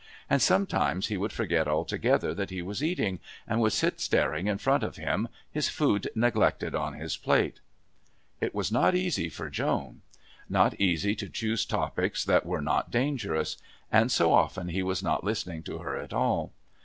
And sometimes he would forget altogether that he was eating, and would sit staring in front of him, his food neglected on his plate. It was not easy for Joan. Not easy to choose topics that were not dangerous. And so often he was not listening to her at all.